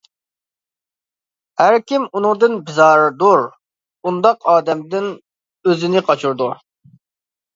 ھەركىم ئۇنىڭدىن بىزاردۇر، ئۇنداق ئادەمدىن ئۆزىنى قاچۇرىدۇ.